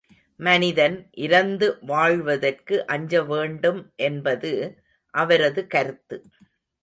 மனிதன் இரந்து வாழ்வதற்கு அஞ்சவேண்டும் என்பது அவரது கருத்து.